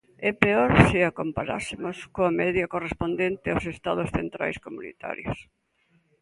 E peor se a comparásemos coa media correspondente aos estados centrais comunitarios.